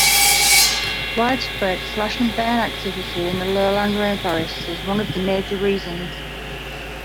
Widespread slash-and-burn activity in the lowland rainforests is one of the major reasons.